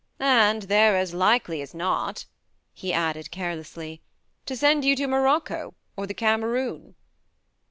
And they're as likely as not," he added carelessly, "to send you to Morocco or the Cameroon."